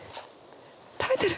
食べてる！